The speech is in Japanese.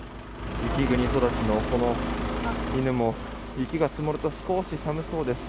雪国育ちのこの犬も雪が積もると少し寒そうです。